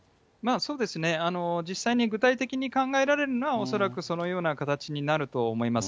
そうですね、実際に具体的に考えられるのは、恐らくそのように形になると思います。